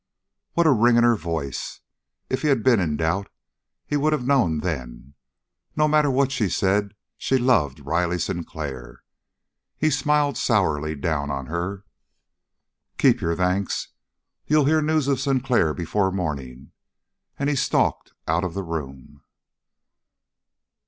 What a ring in her voice! If he had been in doubt he would have known then. No matter what she said, she loved Riley Sinclair. He smiled sourly down on her. "Keep your thanks. You'll hear news of Sinclair before morning." And he stalked out of the room.